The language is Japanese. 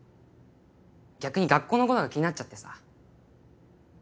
逆に学校の事が気になっちゃってさ。